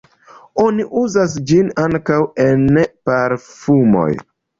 Oni uzas ĝin ankaŭ en parfumoj.